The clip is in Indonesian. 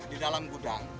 ya di dalam gudang